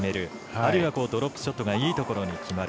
あるいはドロップショットがいいところに決まる。